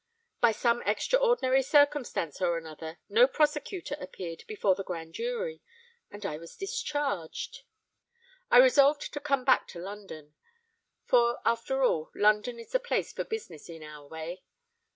By some extraordinary circumstance or another, no prosecutor appeared before the Grand Jury; and I was discharged. I resolved to come back to London;—for, after all, London is the place for business in our way.